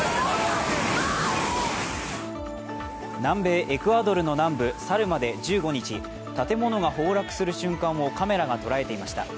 南米エクアドルの南部サルマで１５日、建物が崩落する瞬間をカメラが捉えていました。